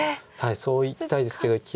そういきたいですけど切られて。